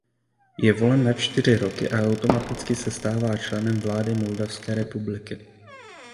Je volen na čtyři roky a automaticky se stává členem vlády Moldavské republiky.